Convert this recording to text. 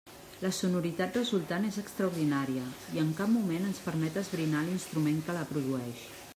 La sonoritat resultant és extraordinària, i en cap moment ens permet esbrinar l'instrument que la produeix.